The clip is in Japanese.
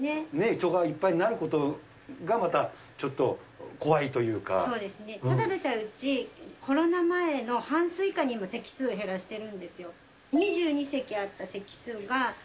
人がいっぱいになることが、そうですね、ただでさえうち、コロナ前の半数以下に席数を減らしてるんですよ。